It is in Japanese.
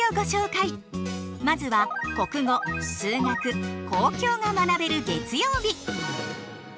まずは国語数学公共が学べる月曜日。